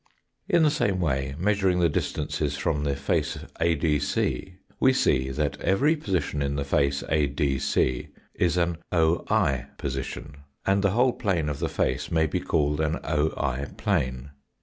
In the same way, measuring the distances from the face \DC, we see that every position in the face ADC is a oi position, and the whole plane of the face may be called an oi plane.